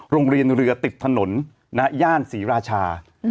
โรงเรียนเรือติดถนนย่านศรีราชา